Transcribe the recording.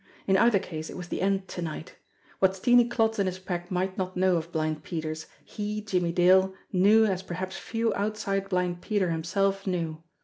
In either case, it was the end to night. What Steenie Klotz and his pack might not know of Blind Peter's, he, Jimmie Dale, knew as perhaps few outside Blind Peter himself knew.